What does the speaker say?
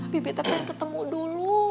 bibi tapi mau ketemu dulu